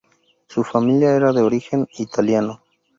Su familia era de origen italiano.